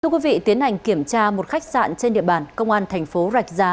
thưa quý vị tiến hành kiểm tra một khách sạn trên địa bàn công an thành phố rạch giá